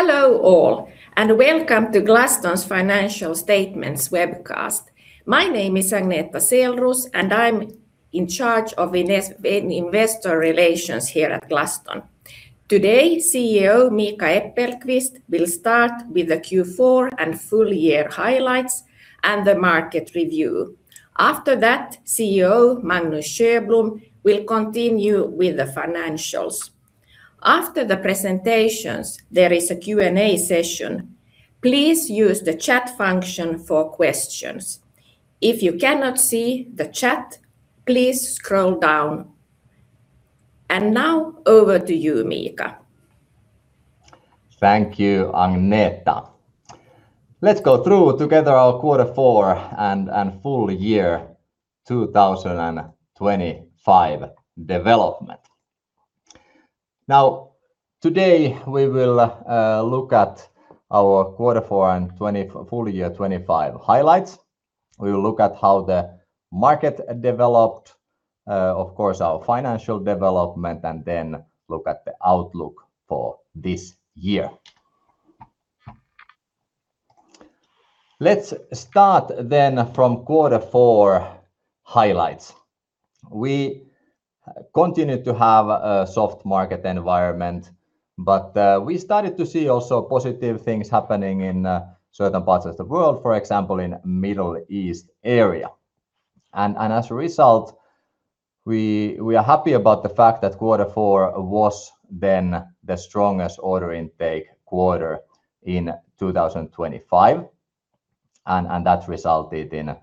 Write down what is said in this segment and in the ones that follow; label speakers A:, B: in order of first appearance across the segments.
A: Hello all, and welcome to Glaston's financial statements webcast. My name is Agneta Selroos, and I'm in charge of investor relations here at Glaston. Today, CEO Miika Äppelqvist will start with the Q4 and full year highlights and the market review. After that, CEO Magnus Sjöblom will continue with the financials. After the presentations, there is a Q&A session. Please use the chat function for questions. If you cannot see the chat, please scroll down. And now, over to you, Miika.
B: Thank you, Agneta. Let's go through together our Q4 and full year 2025 development. Now, today we will look at our Q4 and full year 2025 highlights. We will look at how the market developed, of course, our financial development, and then look at the outlook for this year. Let's start then from Q4 highlights. We continued to have a soft market environment, but we started to see also positive things happening in certain parts of the world, for example, in Middle East area. And as a result, we are happy about the fact that Q4 was then the strongest order intake quarter in 2025, and that resulted in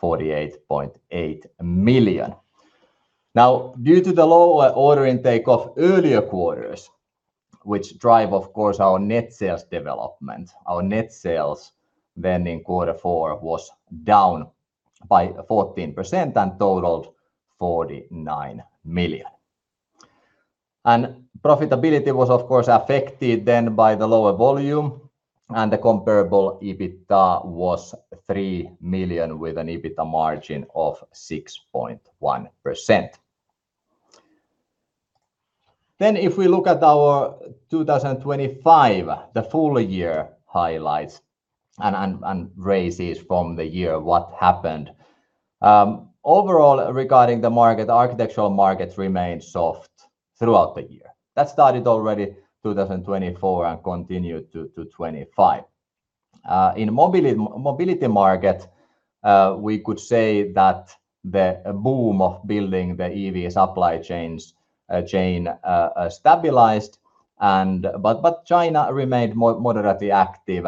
B: 48.8 million. Now, due to the lower order intake of earlier quarters, which drive, of course, our net sales development, our net sales then in Q4 was down by 14% and totaled 49 million. Profitability was, of course, affected then by the lower volume, and the comparable EBITDA was 3 million, with an EBITDA margin of 6.1%. If we look at our 2025, the full year highlights, and raises from the year, what happened? Overall, regarding the market, architectural markets remained soft throughout the year. That started already 2024 and continued to 2025. In mobility market, we could say that the boom of building the EV supply chains stabilized, but China remained moderately active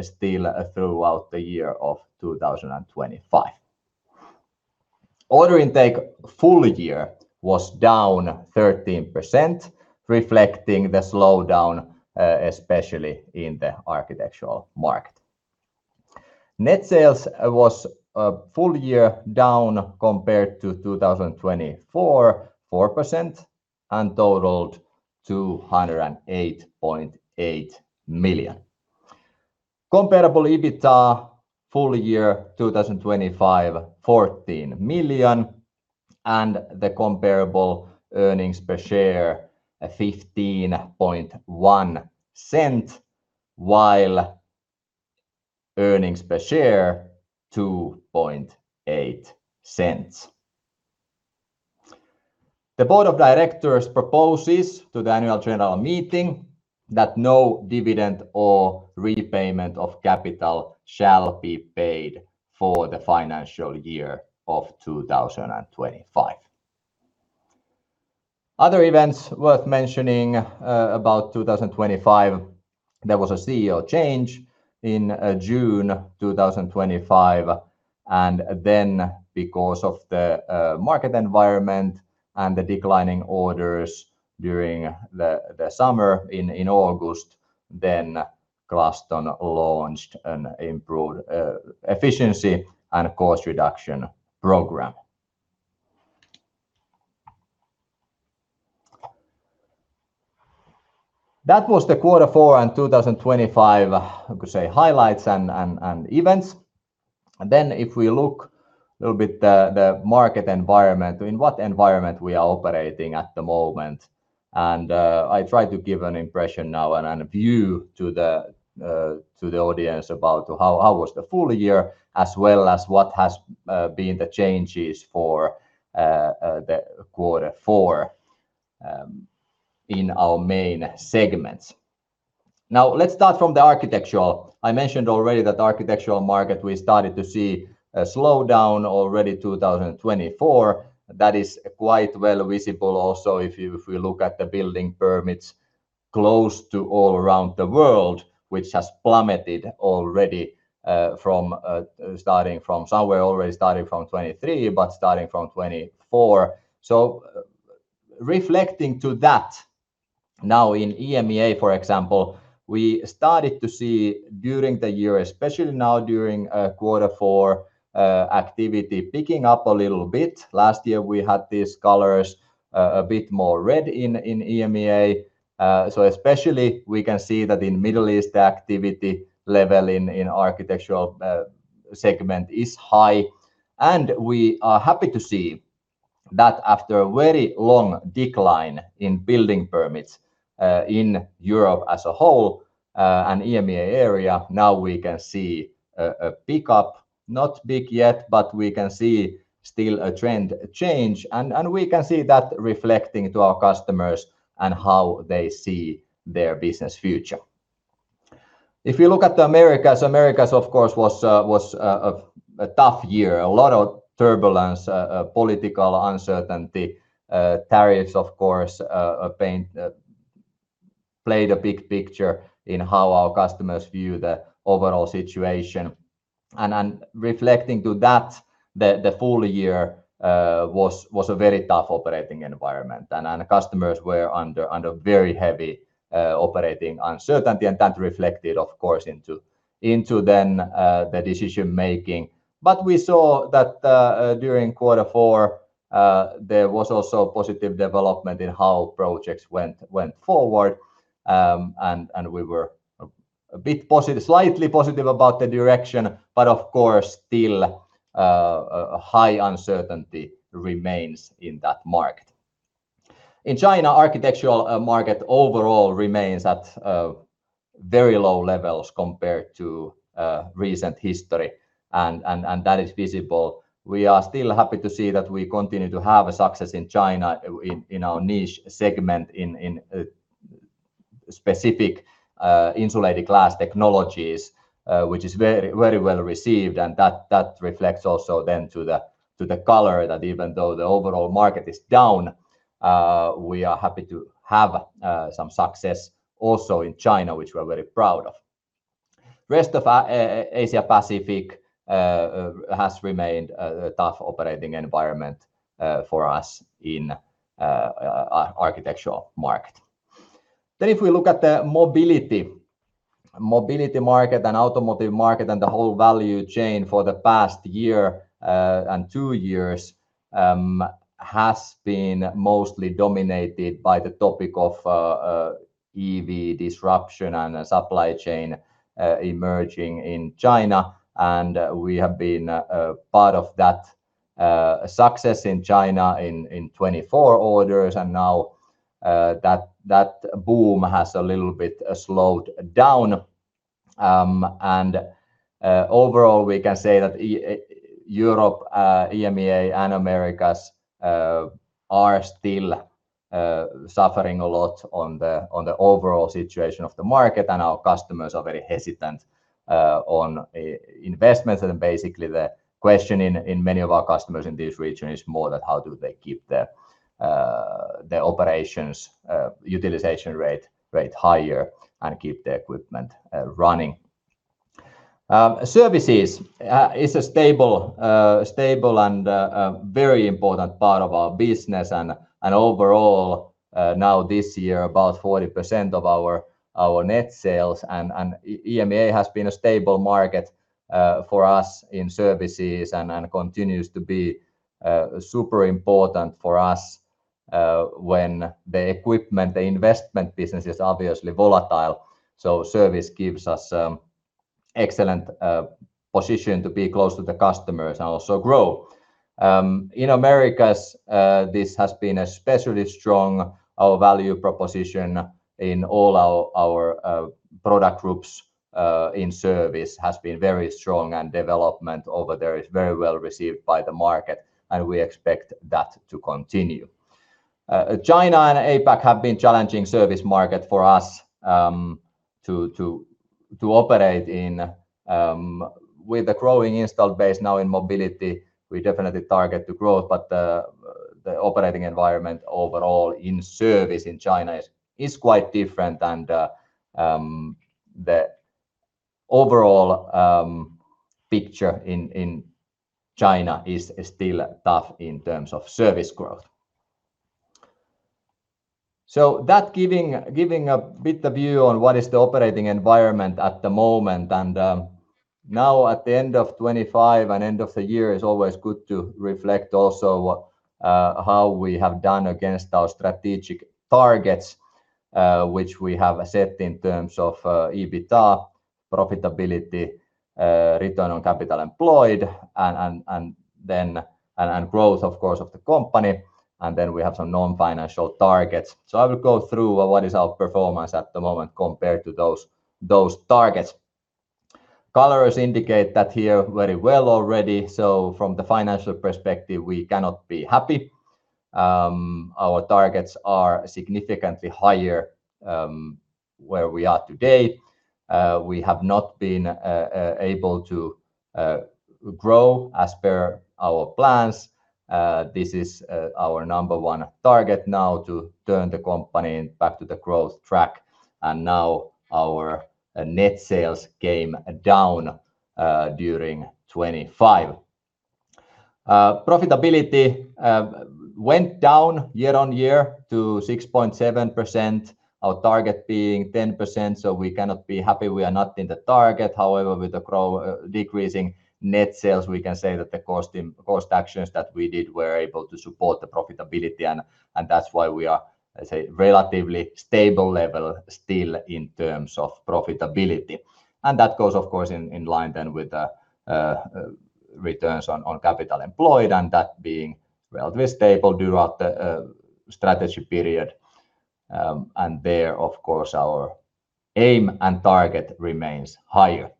B: still throughout the year of 2025. Order intake full year was down 13%, reflecting the slowdown, especially in the architectural market. Net sales was full year down compared to 2024, 4%, and totaled 208.8 million. Comparable EBITDA, full year, 2025, 14 million, and the comparable earnings per share, 0.151, while earnings per share, 0.028. The board of directors proposes to the annual general meeting that no dividend or repayment of capital shall be paid for the financial year of 2025. Other events worth mentioning, about 2025, there was a CEO change in June 2025, and then because of the market environment and the declining orders during the summer in August, then Glaston launched an improved efficiency and cost reduction program. That was the Q4 and 2025, I could say, highlights and events. Then if we look a little bit the market environment, in what environment we are operating at the moment, and I try to give an impression now and a view to the audience about how was the full year, as well as what has been the changes for the Q4 in our main segments. Now, let's start from the architectural. I mentioned already that architectural market, we started to see a slowdown already 2024. That is quite well visible also if we look at the building permits close to all around the world, which has plummeted already from starting from somewhere, already starting from 2023, but starting from 2024. Reflecting to that, now in EMEA, for example, we started to see during the year, especially now during Q4, activity picking up a little bit. Last year, we had these colors a bit more red in EMEA. So especially we can see that in Middle East, the activity level in architectural segment is high, and we are happy to see that after a very long decline in building permits in Europe as a whole and EMEA area, now we can see a pick-up, not big yet, but we can see still a trend change, and we can see that reflecting to our customers and how they see their business future. If you look at the Americas, Americas, of course, was, was, a, a tough year, a lot of turbulence, political uncertainty, tariffs, of course, pain... played a big picture in how our customers view the overall situation. And reflecting to that, the, the full year, was, was a very tough operating environment, and, and customers were under, under very heavy, operating uncertainty, and that reflected, of course, into, into then, the decision-making. But we saw that, during Q4, there was also positive development in how projects went, went forward. And we were a, a bit positive- slightly positive about the direction, but of course, still, a high uncertainty remains in that market. In China, architectural market overall remains at very low levels compared to recent history, and that is visible. We are still happy to see that we continue to have a success in China in specific insulated glass technologies, which is very, very well received, and that reflects also then to the order, that even though the overall market is down, we are happy to have some success also in China, which we are very proud of. Rest of Asia Pacific has remained a tough operating environment for us in architectural market. Then, if we look at the mobility market and automotive market and the whole value chain for the past year and two years, has been mostly dominated by the topic of EV disruption and supply chain emerging in China, and we have been part of that success in China in 2024 orders, and now that boom has a little bit slowed down. Overall, we can say that Europe, EMEA and Americas are still suffering a lot on the overall situation of the market, and our customers are very hesitant on investments basically, the question in many of our customers in this region is more that how do they keep their operations utilization rate higher and keep the equipment running? Services is a stable, stable and a very important part of our business, and overall, now this year, about 40% of our net sales and EMEA has been a stable market for us in services and continues to be super important for us when the equipment, the investment business is obviously volatile. So service gives us excellent position to be close to the customers and also grow. In Americas, this has been especially strong. Our value proposition in all our product groups in service has been very strong, and development over there is very well received by the market, and we expect that to continue. China and APAC have been challenging service market for us to operate in. With the growing installed base now in mobility, we definitely target the growth, but the operating environment overall in service in China is quite different, and the overall picture in China is still tough in terms of service growth. That giving a bit of view on what is the operating environment at the moment, and now at the end of 2025 and end of the year, it's always good to reflect also how we have done against our strategic targets, which we have set in terms of EBITDA, profitability, return on capital employed, and growth, of course, of the company, and then we have some non-financial targets. So I will go through what is our performance at the moment compared to those targets. Colors indicate that here very well already, so from the financial perspective, we cannot be happy. Our targets are significantly higher, where we are today. We have not been able to grow as per our plans. This is our number one target now to turn the company back to the growth track, and now our net sales came down during 2025. Profitability went down year-over-year to 6.7%, our target being 10%, so we cannot be happy we are not in the target however, with the decreasing net sales, we can say that the cost, cost actions that we did were able to support the profitability, and, and that's why we are-... I say, relatively stable level still in terms of profitability. That goes, of course, in line then with the returns on capital employed, and that being relatively stable throughout the strategy period. There, of course, our aim and target remains higher.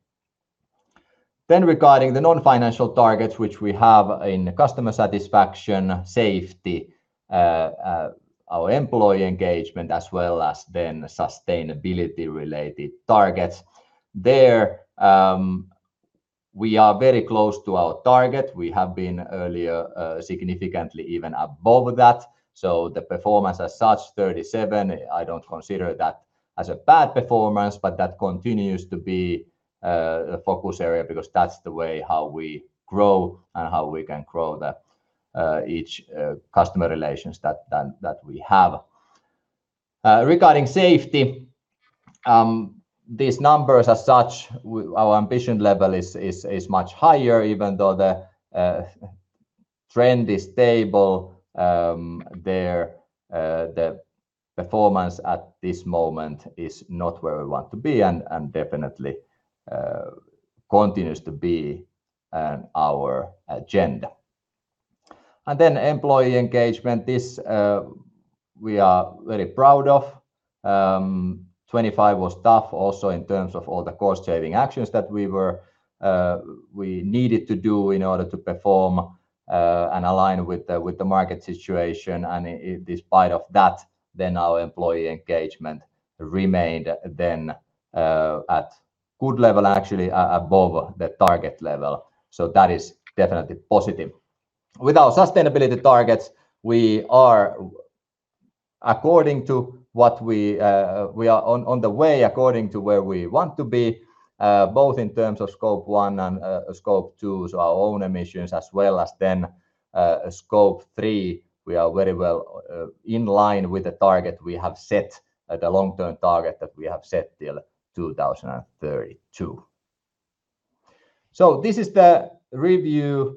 B: Regarding the non-financial targets, which we have in customer satisfaction, safety, our employee engagement, as well as then sustainability-related targets. There, we are very close to our target. We have been earlier, significantly even above that, so the performance as such, 37, I don't consider that as a bad performance, but that continues to be a focus area because that's the way how we grow and how we can grow each customer relations that we have. Regarding safety, these numbers as such, our ambition level is much higher, even though the trend is stable, there the performance at this moment is not where we want to be and definitely continues to be on our agenda. And then employee engagement, this we are very proud of. 2025 was tough also in terms of all the cost-saving actions that we needed to do in order to perform and align with the market situation and despite of that, then our employee engagement remained then at good level, actually above the target level so that is definitely positive. With our sustainability targets, we are according to what we are on the way according to where we want to be, both in terms of Scope 1 and Scope 2, so our own emissions, as well as then Scope 3. We are very well in line with the target we have set, the long-term target that we have set till 2032. This is the review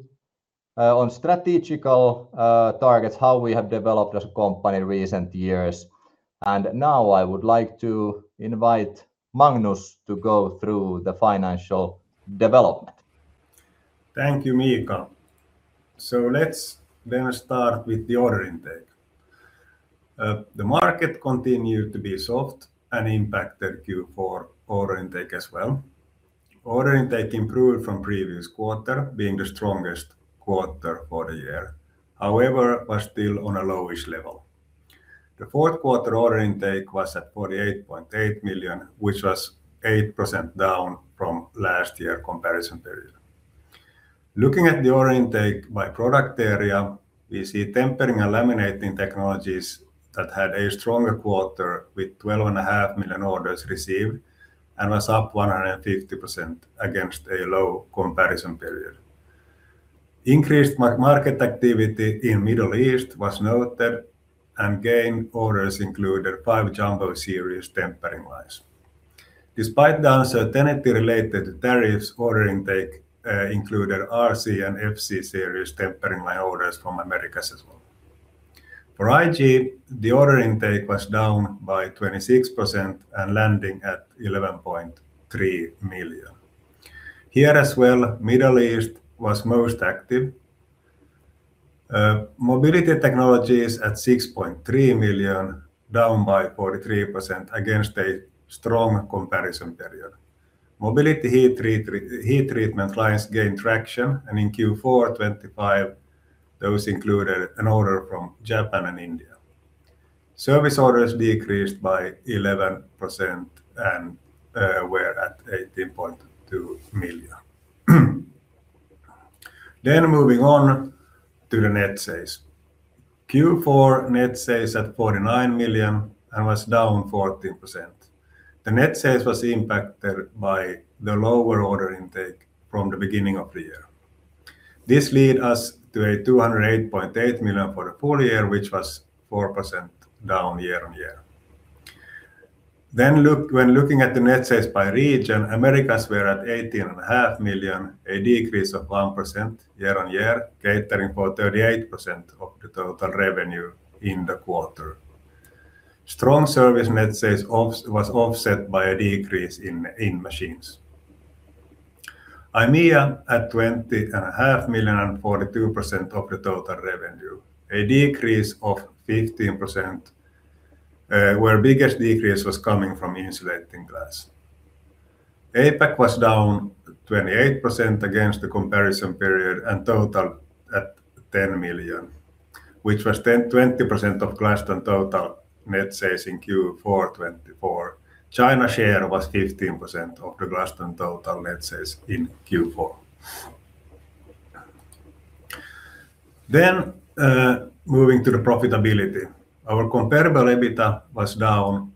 B: on strategic targets, how we have developed as a company in recent years. And now I would like to invite Magnus to go through the financial development.
C: Thank you, Miika. So let's then start with the order intake. The market continued to be soft and impacted Q4 order intake as well. Order intake improved from previous quarter, being the strongest quarter for the year, however, was still on a lowish level. The Q4 order intake was at 48.8 million, which was 8% down from last year comparison period. Looking at the order intake by product area, we see tempering and laminating technologies that had a stronger quarter with 12.5 million orders received, and was up 150% against a low comparison period. Increased market activity in Middle East was noted, and gained orders included five Jumbo Series tempering lines. Despite the uncertainty related tariffs, order intake included RC Series and FC Series tempering line orders from Americas as well. For IG, the order intake was down by 26% and landing at 11.3 million. Here as well, Middle East was most active. Mobility technologies at 6.3 million, down by 43% against a strong comparison period. Mobility heat treatment lines gained traction, and in Q4 2025, those included an order from Japan and India. Service orders decreased by 11% and were at 18.2 million. Then moving on to the net sales. Q4 net sales at 49 million and was down 14%. The net sales was impacted by the lower order intake from the beginning of the year. This lead us to a 208.8 million for the full year, which was 4% down year-on-year. Then look... When looking at the net sales by region, Americas were at 18.5 million, a decrease of 1% year-on-year, catering for 38% of the total revenue in the quarter. Strong service net sales was offset by a decrease in machines. EMEA at 20.5 million and 42% of the total revenue, a decrease of 15%, where biggest decrease was coming from insulating glass. APAC was down 28% against the comparison period, and total at 10 million, which was 20% of Glaston total net sales in Q4 2024. China share was 15% of the Glaston total net sales in Q4. Then, moving to the profitability. Our comparable EBITDA was down,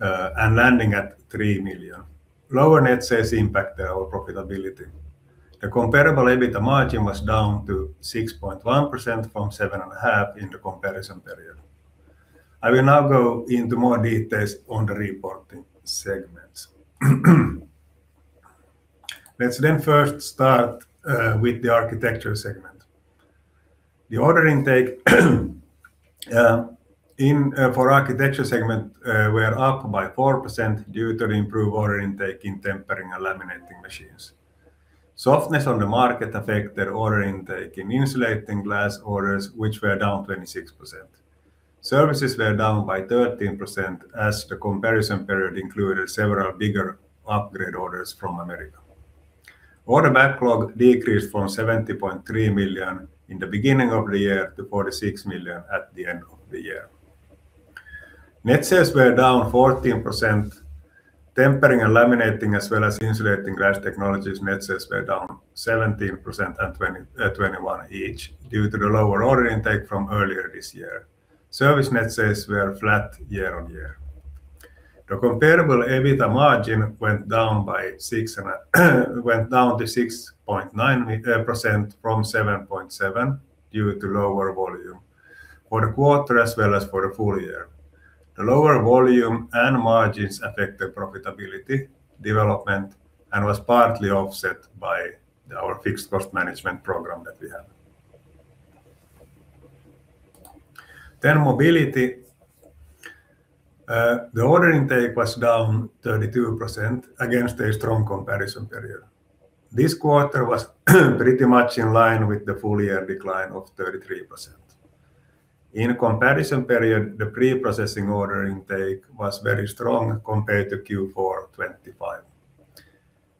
C: and landing at 3 million. Lower net sales impacted our profitability. The Comparable EBITDA margin was down to 6.1% from 7.5% in the comparison period. I will now go into more details on the reporting segments. Let's then first start with the Architecture segment. The order intake in for Architecture segment were up by 4% due to the improved order intake in tempering and laminating machines. Softness on the market affected order intake in insulating glass orders, which were down 26%. Services were down by 13%, as the comparison period included several bigger upgrade orders from America. Order backlog decreased from 70.3 million in the beginning of the year to 46 million at the end of the year. Net sales were down 14%. Tempering and Laminating, as well as Insulating Glass technologies net sales were down 17% and 21% each, due to the lower order intake from earlier this year. Service net sales were flat year-on-year. The Comparable EBITDA margin went down by six and went down to 6.9% from 7.7% due to lower volume for the quarter as well as for the full year. The lower volume and margins affected profitability development and was partly offset by our fixed cost management program that we have. Then Mobility. The order intake was down 32% against a strong comparison period. This quarter was pretty much in line with the full year decline of 33%. In comparison period, the pre-processing order intake was very strong compared to Q4 2025.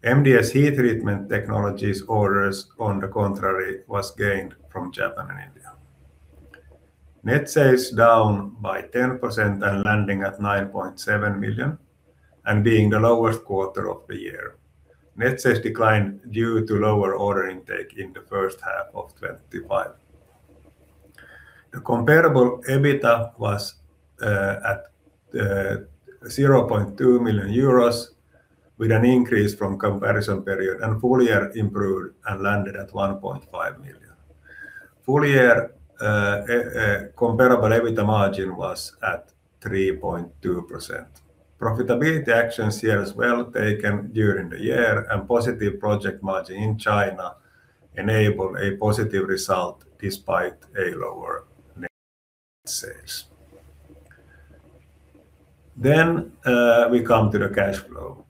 C: MDS heat treatment technologies orders, on the contrary, was gained from Japan and India. Net sales down by 10% and landing at 9.7 million, and being the lowest quarter of the year. Net sales declined due to lower order intake in the first half of 2025. The comparable EBITDA was at 0.2 million euros, with an increase from comparison period, and full year improved and landed at 1.5 million. Full year comparable EBITDA margin was at 3.2%. Profitability actions here as well taken during the year, and positive project margin in China enabled a positive result despite a lower net sales. Then we come to the cash flow.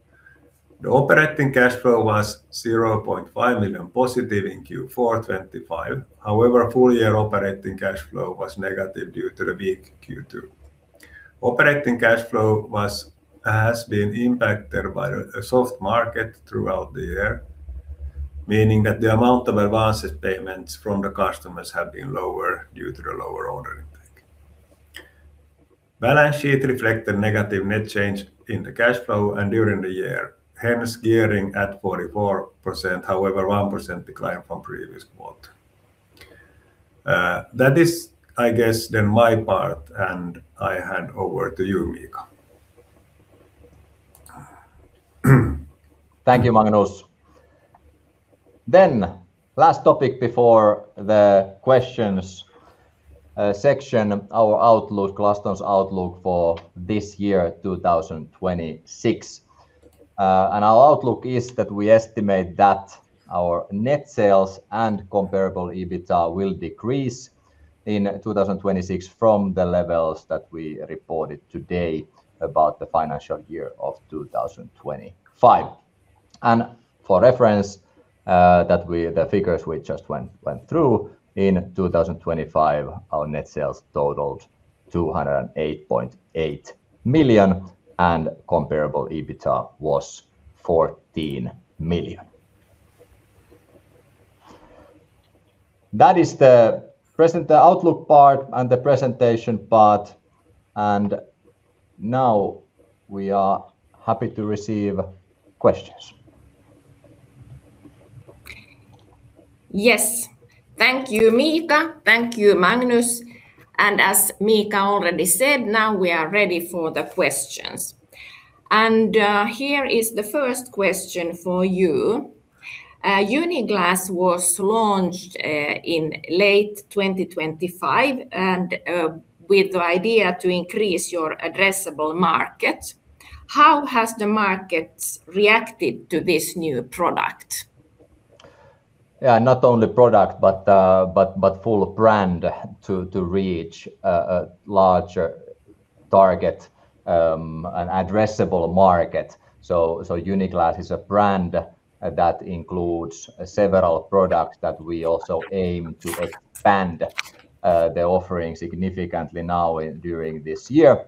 C: The operating cash flow was 0.5 million positive in Q4 2025. However, full year operating cash flow was negative due to the weak Q2. Operating cash flow has been impacted by the soft market throughout the year, meaning that the amount of advanced payments from the customers have been lower due to the lower order intake. Balance sheet reflected negative net change in the cash flow and during the year, hence gearing at 44%, however, 1% decline from previous quarter. That is, I guess, then my part, and I hand over to you, Miika.
B: Thank you, Magnus. Last topic before the questions section our outlook, Glaston's outlook for this year, 2026. Our outlook is that we estimate that our net sales and comparable EBITDA will decrease in 2026 from the levels that we reported to date about the financial year of 2025. For reference, the figures we just went through, in 2025, our net sales totaled 208.8 million, and comparable EBITDA was 14 million. That is the present- the outlook part and the presentation part, and now we are happy to receive questions.
A: Yes. Thank you, Miika. Thank you, Magnus. As Miika already said, now we are ready for the questions. Here is the first question for you: Uniglass was launched in late 2025, and with the idea to increase your addressable market. How has the market reacted to this new product?
B: Yeah, not only product, but full brand to reach a larger target, an addressable market. Uniglass is a brand that includes several products that we also aim to expand the offering significantly now during this year.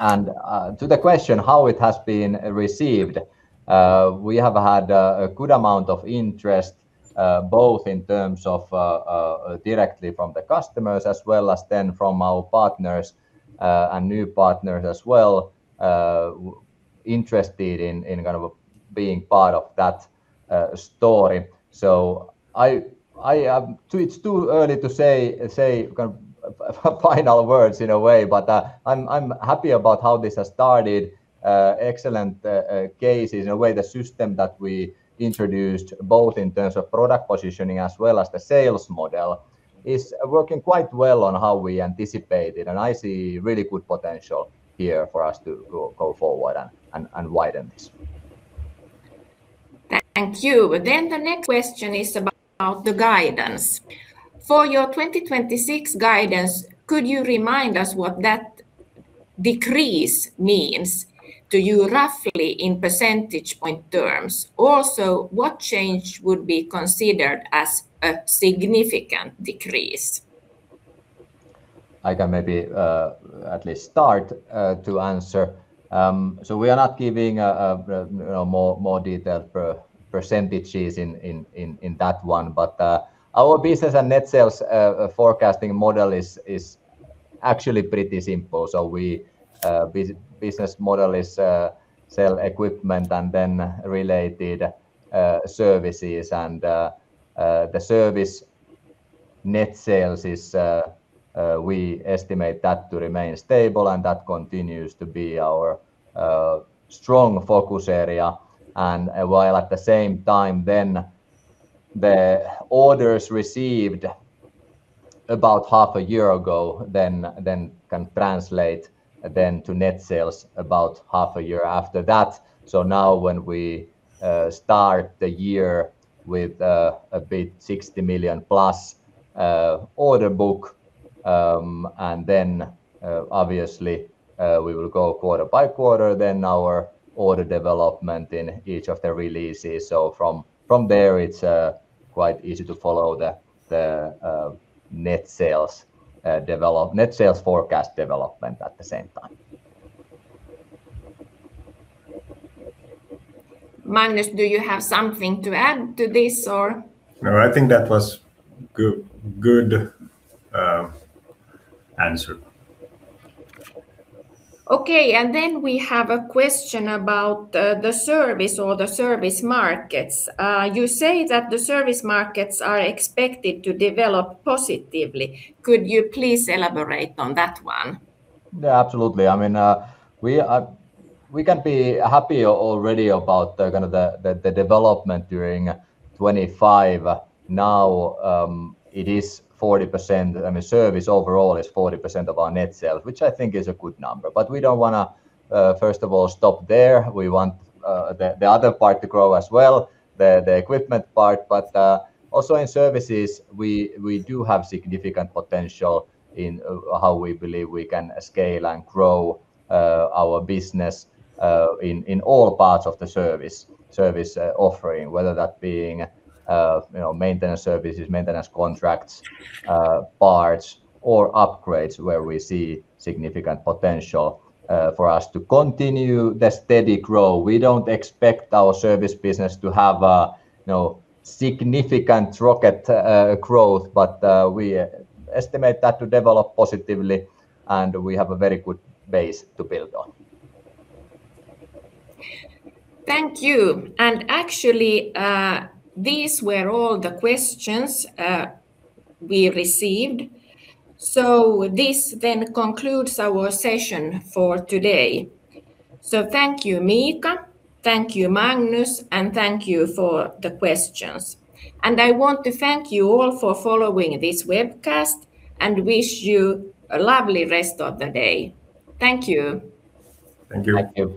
B: To the question, how it has been received, we have had a good amount of interest both in terms of directly from the customers as well as then from our partners and new partners as well interested in kind of being part of that story. It's too early to say kind of final words in a way, but I'm happy about how this has started. Excellent cases, in a way, the system that we introduced, both in terms of product positioning as well as the sales model... is working quite well on how we anticipate it, and I see really good potential here for us to go forward and widen this.
A: Thank you. The next question is about the guidance. For your 2026 guidance, could you remind us what that decrease means to you roughly in percentage point terms? Also, what change would be considered as a significant decrease?
B: I can maybe at least start to answer. So we are not giving a you know more detailed percentages in that one, but our business and net sales forecasting model is actually pretty simple. So we business model is sell equipment and then related services and the service net sales is we estimate that to remain stable, and that continues to be our strong focus area. And while at the same time then the orders received about half a year ago then then can translate then to net sales about half a year after that. Now when we start the year with a big 60+ million order book, and then obviously we will go quarter by quarter, then our order development in each of the releases so from there, it's quite easy to follow the net sales forecast development at the same time.
A: Magnus, do you have something to add to this, or?
C: No, I think that was good, good, answer.
A: Okay, and then we have a question about the service or the service markets. You say that the service markets are expected to develop positively. Could you please elaborate on that one?
B: Yeah, absolutely. I mean, we can be happy already about the kind of development during 2025. Now, it is 40%, I mean, service overall is 40% of our net sales, which I think is a good number, but we don't wanna first of all stop there. We want the other part to grow as well, the equipment part. Also in services, we do have significant potential in how we believe we can scale and grow our business in all parts of the service offering, whether that being you know maintenance services, maintenance contracts, parts, or upgrades, where we see significant potential for us to continue the steady growth. We don't expect our service business to have a, you know, significant rocket growth, but we estimate that to develop positively, and we have a very good base to build on.
A: Thank you. And actually, these were all the questions we received, this then concludes our session for today. Thank you, Miika, thank you, Magnus, and thank you for the questions. And I want to thank you all for following this webcast, and wish you a lovely rest of the day. Thank you.
C: Thank you.
B: Thank you.